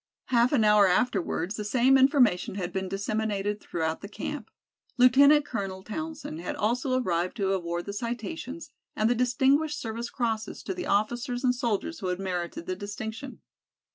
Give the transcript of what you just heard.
Half an hour afterwards the same information had been disseminated throughout the camp. Lieutenant Colonel Townsend had also arrived to award the citations and the Distinguished Service Crosses to the officers and soldiers who had merited the distinction.